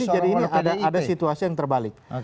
jadi ini ada situasi yang terbalik